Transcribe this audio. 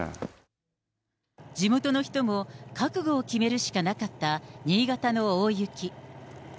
地元の人も、覚悟を決めるしかなかった新潟の大雪。